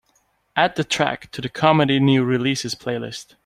Add the track to the comedy new releases playlist.